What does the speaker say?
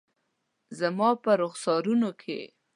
زما په رخسارونو کې